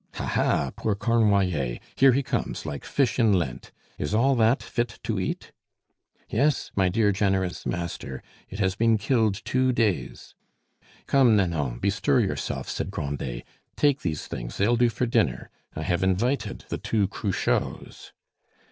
"Ha, ha! poor Cornoiller; here he comes, like fish in Lent. Is all that fit to eat?" "Yes, my dear, generous master; it has been killed two days." "Come, Nanon, bestir yourself," said Grandet; "take these things, they'll do for dinner. I have invited the two Cruchots."